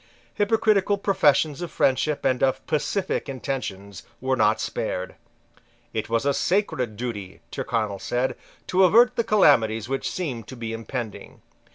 Hypocritical professions of friendship and of pacific intentions were not spared. It was a sacred duty, Tyrconnel said, to avert the calamities which seemed to be impending.